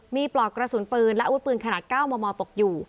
มีปลอกกระสุนปืนและอาวุธปืนขนาด๙มมตกอยู่